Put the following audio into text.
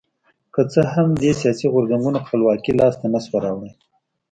که څه هم دې سیاسي غورځنګونو خپلواکي لاسته نه شوه راوړی.